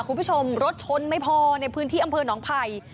คุณผู้ชมรถชนไม่พอในพื้นที่อำเภอหนองไผ่